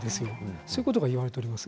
そういうことが言われております。